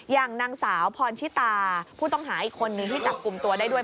อย่างนางสาวพรชิตาผู้ต้องหาอีกคนนึงที่จับกลุ่มตัวได้ด้วย